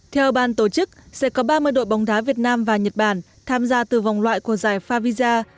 theo ban tổ chức sẽ có ba mươi đội bóng đá việt nam và nhật bản tham gia từ vòng loại của giải favisa